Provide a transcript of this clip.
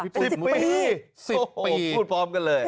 สิบปีสิบปีโอ้โหพูดพร้อมกันเลย